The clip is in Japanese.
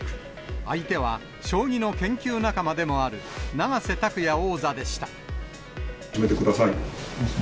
相手は、将棋の研究仲間でもある、始めてください。